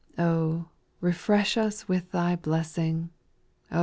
Oh ! refresh us with Thy blessing, &c.